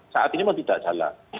saat ini memang tidak jalan